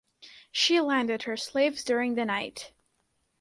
She landed her slaves during the night.